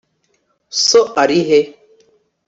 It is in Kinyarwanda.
so ari he